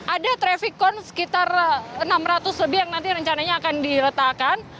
ada trafikon sekitar enam ratus lebih yang nanti rencananya akan diletakkan